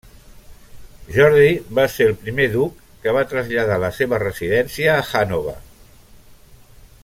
Jordi va ser el primer duc que va traslladar la seva residència a Hannover.